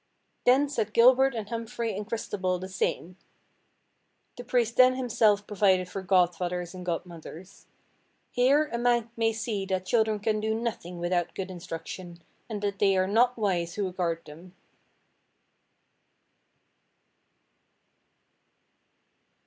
Then said Gilbert and Humphrey and Christabel the same. The priest then himself provided for god–fathers and god–mothers. Here a man may see that children can do nothing without good instruction, and that they are not wise who regard them.